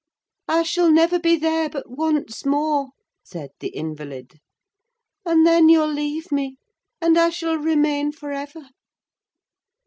"I shall never be there but once more," said the invalid; "and then you'll leave me, and I shall remain for ever.